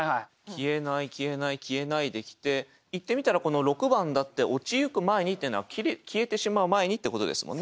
「消えない」「消えない」「消えない」で来て言ってみたらこの６番だって「堕ちゆく前に」っていうのは「消えてしまう前に」ってことですもんね。